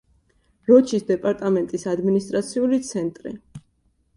როჩის დეპარტამენტის ადმინისტრაციული ცენტრი.